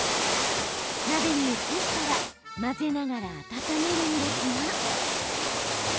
鍋に移したら混ぜながら温めるんですが。